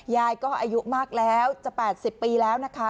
ยายก็อายุมากแล้วจะ๘๐ปีแล้วนะคะ